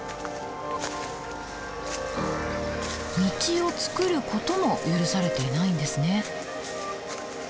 道を作ることも許されていないんですね。